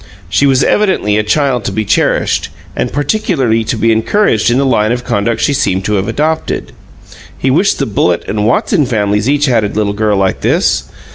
She was evidently a child to be cherished, and particularly to be encouraged in the line of conduct she seemed to have adopted. He wished the Bullitt and Watson families each had a little girl like this.